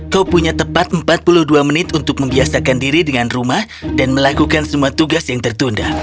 kau punya tepat empat puluh dua menit untuk membiasakan diri dengan rumah dan melakukan semua tugas yang tertunda